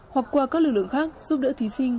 hoặc qua các lực lượng khác giúp đỡ thí sinh